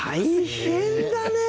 大変だね。